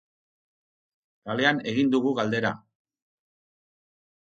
Kalean egin dugu galdera.